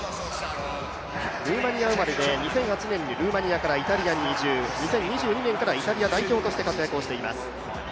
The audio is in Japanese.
ルーマニア生まれでルーマニアからイタリアに移住、２０２２年からイタリア代表として活躍しています。